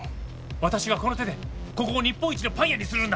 私はこの手でここを日本一のパン屋にするんだ。